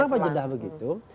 kenapa jedah begitu